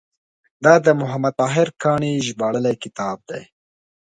دا د محمد طاهر کاڼي ژباړلی کتاب دی.